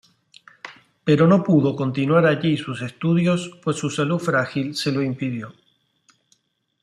Pero no pudo continuar allí sus estudios pues su salud frágil se lo impidió.